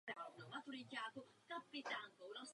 Na Slovensku se udrželi déle.